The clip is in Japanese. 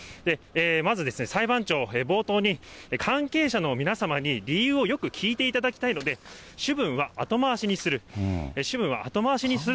まず裁判長、冒頭に関係者の皆様に理由をよく聞いていただきたいので、主文は後回しにする。